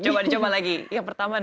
coba dicoba lagi yang pertama